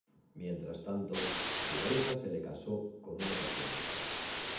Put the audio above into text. Mientras tanto, la hija se le casó con un ocasional.